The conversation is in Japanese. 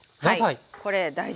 これ大事。